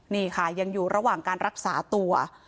นี่ค่ะยังอยู่ระหว่างการรักษาตัว